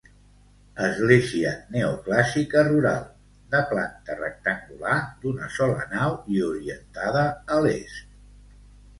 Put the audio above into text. Església neoclàssica rural, de planta rectangular d'una sola nau i orientada a l'est.